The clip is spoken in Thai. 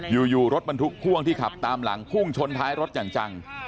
อยู่รถบรรทุกพ่วงที่ขับตามหลังพุ่งชนท้ายรถอย่างจัง